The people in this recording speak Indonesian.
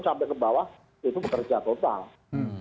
sampai ke bawah itu bekerja total